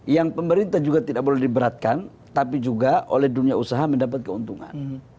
yang pemerintah juga tidak boleh diberatkan tapi juga oleh dunia usaha mendapat keuntungan